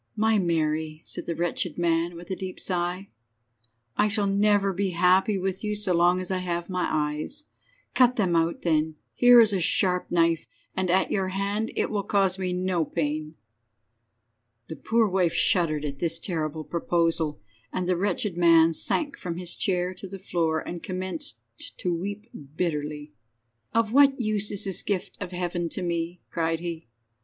"My Mary," said the wretched man, with a deep sigh. "I shall never be happy with you so long as I have my eyes. Cut them out, then. Here is a sharp knife, and at your hand it will cause me no pain." The poor wife shuddered at this terrible proposal, and the wretched man sank from his chair to the floor, and commenced to weep bitterly. "Of what use is this gift of Heaven to me?" cried he.